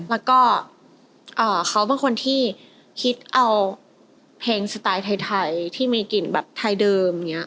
แล้วก็เขาเป็นคนที่คิดเอาเพลงสไตล์ไทยที่มีกลิ่นแบบไทยเดิมอย่างนี้